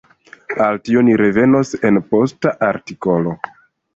Al tio ni revenos en posta artikolo.